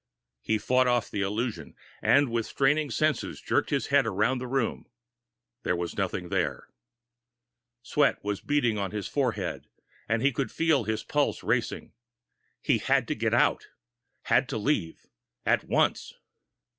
He fought off the illusion, and with straining senses jerked his head around the room. There was nothing there. Sweat was beading his forehead, and he could feel his pulse racing. He had to get out had to leave at once!